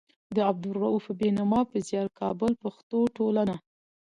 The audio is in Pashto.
د عبدالروف بېنوا په زيار. کابل: پښتو ټولنه